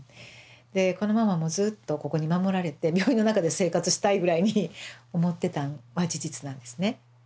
でこのままもうずっとここに守られて病院の中で生活したいぐらいに思ってたんは事実なんですね。